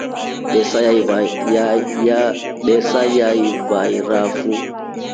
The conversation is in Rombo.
Besa yavairafu.